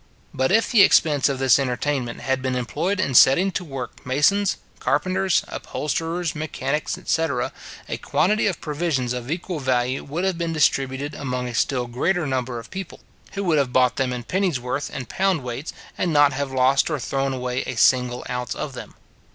But if the expense of this entertainment had been employed in setting to work masons, carpenters, upholsterers, mechanics, etc. a quantity of provisions of equal value would have been distributed among a still greater number of people, who would have bought them in pennyworths and pound weights, and not have lost or thrown away a single ounce of them.